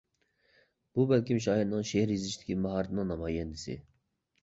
بۇ بەلكىم شائىرنىڭ شېئىر يېزىشتىكى ماھارىتىنىڭ نامايەندىسى.